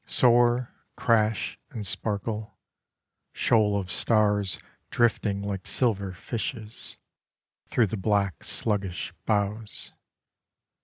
Soar, crash, and sparkle, Shoal of stars drifting Like silver fishes, Through the black sluggish boughs.